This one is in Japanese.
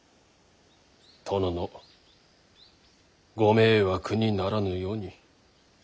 殿のご迷惑にならぬように。